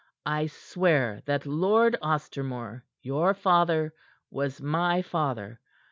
I swear that Lord Ostermore your father was my father.